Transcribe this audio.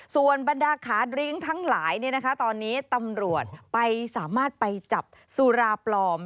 ส่วนบรรดาขาดริ้งทั้งหลายตอนนี้ตำรวจสามารถไปจับสุราปลอม